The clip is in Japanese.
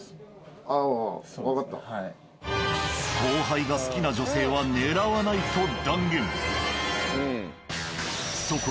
後輩が好きな女性は狙わないと断言。